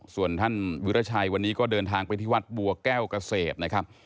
ส่วนท่านวิราชัยวันนี้ก็เดินทางไปที่วัดบัวแก้วเกษตรนะครับ